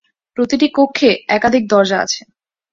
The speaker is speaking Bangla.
প্রতিটি কক্ষে একাধিক দরজা আছে।